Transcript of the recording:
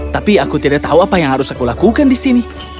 tapi aku tidak tahu apa yang harus aku lakukan di sini